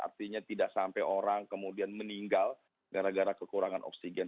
artinya tidak sampai orang kemudian meninggal gara gara kekurangan oksigen